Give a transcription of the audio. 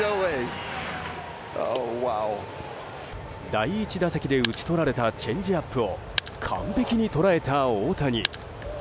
第１打席で打ち取られたチェンジアップを完璧に捉えた大谷。